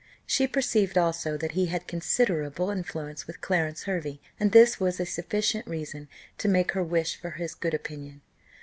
She perceived also that he had considerable influence with Clarence Hervey, and this was a sufficient reason to make her wish for his good opinion.